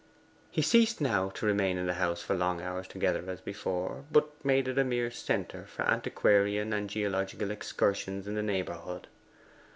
He ceased now to remain in the house for long hours together as before, but made it a mere centre for antiquarian and geological excursions in the neighbourhood.